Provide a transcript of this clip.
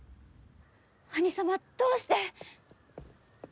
兄様どうして？